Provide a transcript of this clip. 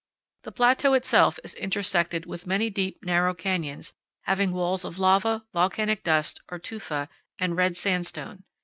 The plateau itself is intersected with many deep, narrow canyons, having walls of lava, volcanic dust, or tufa, and red sandstone.